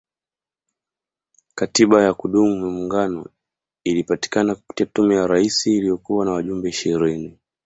Katiba ya kudumu ya muungano ilipatikana kupitia Tume ya Rais iliyokuwa na wajumbe ishirini